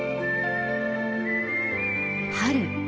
春。